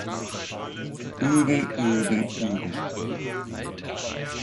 Üben, üben, üben!